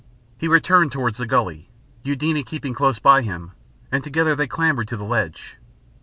He returned towards the gully, Eudena keeping close by him, and together they clambered to the ledge.